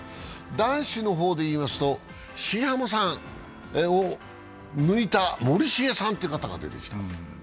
男子の方でいいますと、新濱さんを抜いた森重さんという方が出てきた。